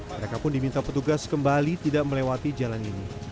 mereka pun diminta petugas kembali tidak melewati jalan ini